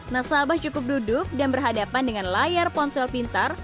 nasabah cukup duduk dan berhadapan dengan layar ponsel pintar